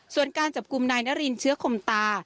ส่วนการจับกลุ่มนายนารินเชื้อคมตา